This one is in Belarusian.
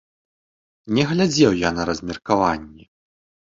Не глядзеў я на размеркаванне.